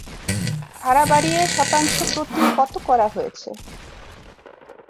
ভাড়া বাড়িয়ে শতাংশপ্রতি কত করা হয়েছে?